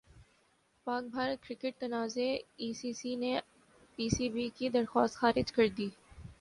پاک بھارت کرکٹ تنازع I C سی نے پی سی بی کی درخواست خارج کردی